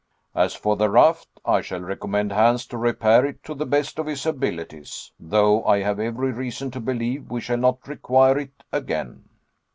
As for the raft, I shall recommend Hans to repair it to the best of his abilities; though I have every reason to believe we shall not require it again."